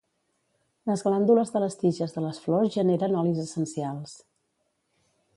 Les glàndules de les tiges de les flors generen olis essencials.